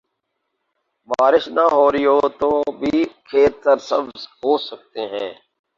بارش نہ ہو رہی ہو تو بھی کھیت سرسبز ہو سکتے ہیں۔